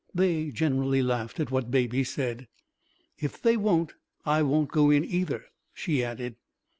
They generally laughed at what Baby said. "If they won't I won't go in, either," she added.